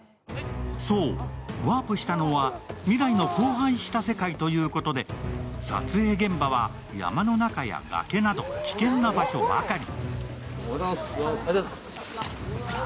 そう、ワープしたのは未来の荒廃した世界ということで撮影現場や山の中や崖など危険な場所ばかり。